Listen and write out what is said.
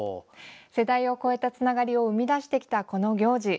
世代を超えたつながりを生み出してきたこの行事